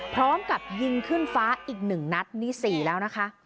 พร้อมกับยิงขึ้นฟ้าอีก๑นัดนี่๔แล้วนะคะ